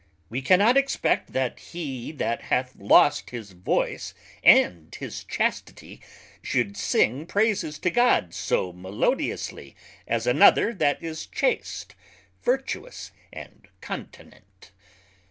We cannot expect that he that hath lost his voice with his Chastity should sing Praises to God so melodiously as another that is chaste, virtuous, and continent.